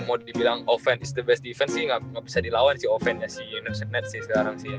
mau dibilang oven istri best defense tidak bisa dilawan si ovennya sih net sekarang sih